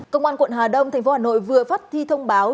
công an quận hà đông thành phố hà nội vừa phất thi thông báo